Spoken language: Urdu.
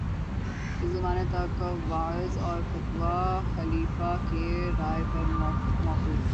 اس زمانے تک وعظ اور فتویٰ خلیفہ کی رائے پر موقوف تھا